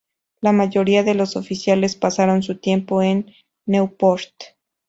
La mayoría de los oficiales pasaron su tiempo en Newport.